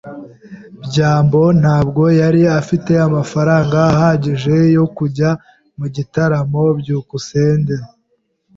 byambo ntabwo yari afite amafaranga ahagije yo kujya mu gitaramo. byukusenge